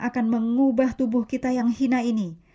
akan mengubah tubuh kita yang hina ini